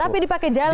tapi dipakai jalan